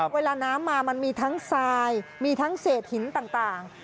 เวลาน้ำมามันมีทั้งทรายมีทั้งเศษหินต่าง